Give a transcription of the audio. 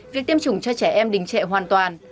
việc tiêm chủng cho trẻ em đình trệ hoàn toàn